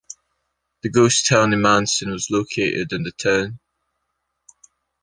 The ghost town of Manson was located in the town.